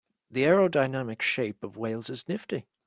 The aerodynamic shape of whales is nifty.